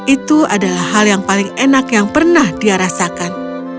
itu adalah hal yang paling enak yang pernah dia rasakan